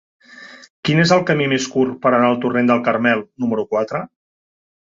Quin és el camí més curt per anar al torrent del Carmel número quatre?